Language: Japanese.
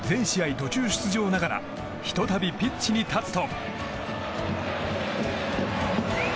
途中出場ながらひと度ピッチに立つと。